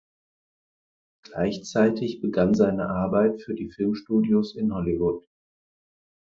Gleichzeitig begann seine Arbeit für die Filmstudios in Hollywood.